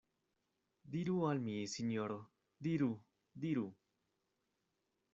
Diru al mi, sinjoro, diru, diru!